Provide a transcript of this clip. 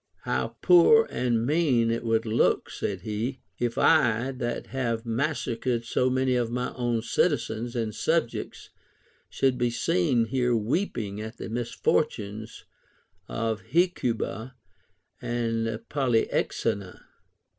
How poor and mean it would look, said he, if I, that have massacred so many of my own citizens and subjects, should be seen here weeping at the misfortunes of Hecuba and Polyxena